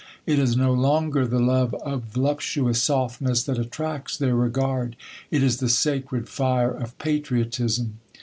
It is no longer the love of voluptuous softness that attracts their regard ; it is the sacred fire of patriotism.